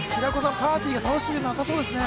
パーティー楽しんでなさそうですね